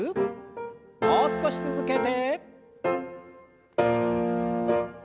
もう少し続けて。